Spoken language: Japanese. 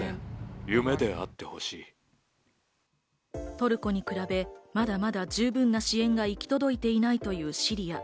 トルコに比べ、まだまだ十分な支援が行き届いていないというシリア。